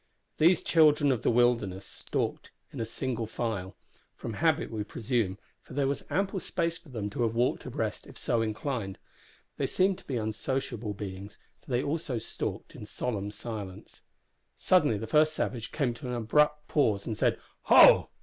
These children of the wilderness stalked in single file from habit we presume, for there was ample space for them to have walked abreast if so inclined. They seemed to be unsociable beings, for they also stalked in solemn silence. Suddenly the first savage came to an abrupt pause, and said, "Ho!"